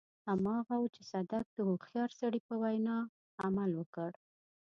هماغه و چې صدک د هوښيار سړي په وينا عمل وکړ.